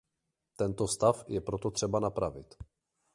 Tento stav je proto třeba napravit.